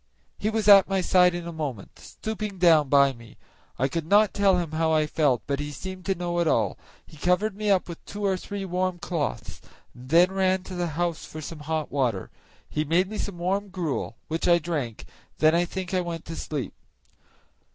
He was at my side in a moment, stooping down by me. I could not tell him how I felt, but he seemed to know it all; he covered me up with two or three warm cloths, and then ran to the house for some hot water; he made me some warm gruel, which I drank, and then I think I went to sleep.